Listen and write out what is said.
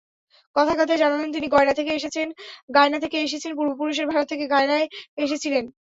কথায় কথায় জানালেন, তিনি গায়ানা থেকে এসেছেন, পূর্বপুরুষেরা ভারত থেকে গায়ানায় এসেছিলেন।